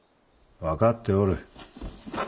分かっておる。